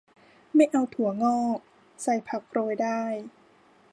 ไม่เอาถั่วงอก ใส่ผักโรยได้